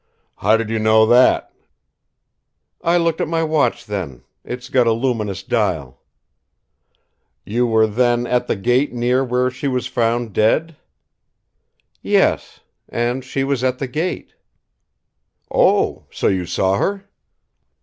"How did you know that?" "I looked at my watch then. It's got a luminous dial." "You were then at the gate near where she was found, dead?" "Yes. And she was at the gate." "Oh! So you saw her?"